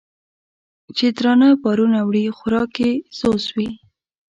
چې درانه بارونه وړي خوراک یې ځوځ وي